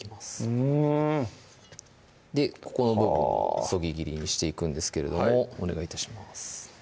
うんここの部分をそぎ切りにしていくんですけれどもお願い致します